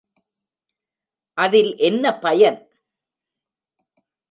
அதில் என்ன பயன்?